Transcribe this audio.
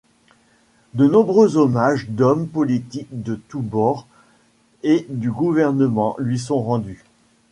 De nombreux hommages d'hommes politiques de tous bords et du gouvernement lui sont rendus.